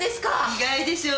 意外でしょ？